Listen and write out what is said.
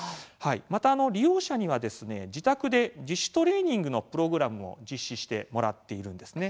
また、利用者には自宅で自主トレーニングのプログラムも実施してもらっているんですね。